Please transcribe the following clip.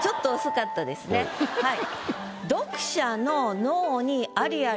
はい。